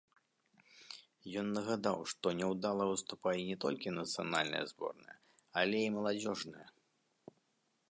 Ён нагадаў, што няўдала выступае не толькі нацыянальная зборная, але і маладзёжныя.